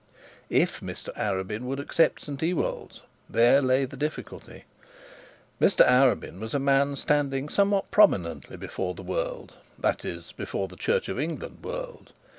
If Mr Arabin would accept St Ewold's! There lay the difficulty. Mr Arabin was a man standing somewhat prominently before the world, that is, before the Church of England world.